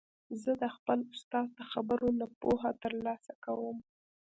زه د خپل استاد د خبرو نه پوهه تر لاسه کوم.